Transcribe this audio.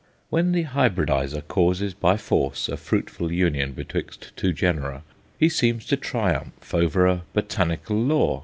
When the hybridizer causes by force a fruitful union betwixt two genera, he seems to triumph over a botanical law.